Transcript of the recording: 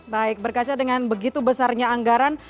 baik berkaca dengan begitu besarnya anggaran